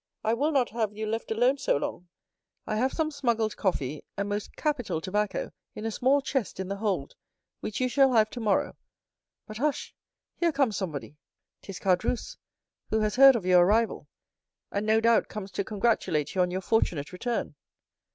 I will not have you left alone so long. I have some smuggled coffee and most capital tobacco, in a small chest in the hold, which you shall have tomorrow. But, hush, here comes somebody." "'Tis Caderousse, who has heard of your arrival, and no doubt comes to congratulate you on your fortunate return."